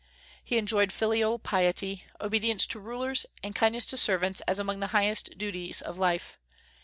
He enjoined filial piety, obedience to rulers, and kindness to servants as among the highest duties of life.